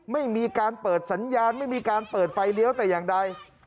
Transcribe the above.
ไม่มีการเปิดสัญญาณไม่มีการเปิดไฟเลี้ยวแต่อย่างใด